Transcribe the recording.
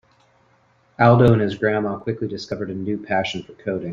Aldo and his grandma quickly discovered a new passion for coding.